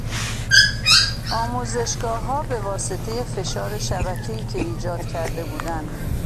آموزشگاهها به واسطه فشار شبکهای که ایجاد کرده بودند